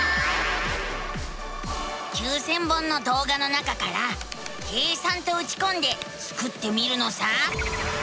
９，０００本のどうがの中から「計算」とうちこんでスクってみるのさ。